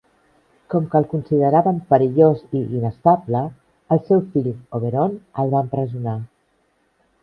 Com que el consideraven perillós i inestable, el seu fill Oberon el va empresonar.